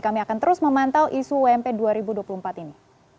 kami akan terus memantau isu wmp dua ribu dua puluh empat ini